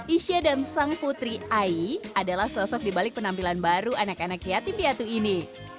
isya dan sang putri ai adalah sosok dibalik penampilan baru anak anak yatim piatu ini